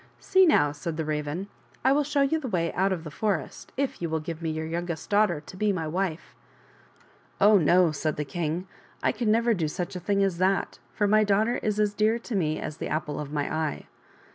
" See now," said the Raven, *' I will show you the way out of the forest, if you will give me your youngest daughter to be my wife." " Oh, no," said the king, " I can never do such a thing as that, for my daughter is as dear to me as the apple of my eye."